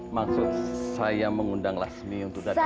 maksud saya mengundang lasmi untuk datang